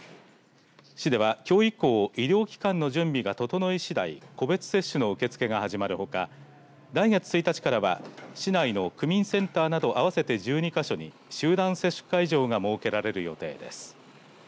市では、きょう以降医療機関の準備が整い次第個別接種の受け付けが始まるほか来月１日からは市内の区民センターなど合わせて１２か所に集団接種会場が設けられる予定です。